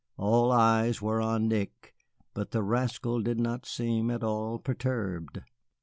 All eyes were on Nick, but the rascal did not seem at all perturbed.